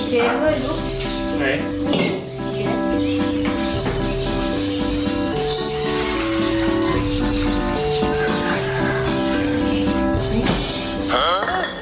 ฮะ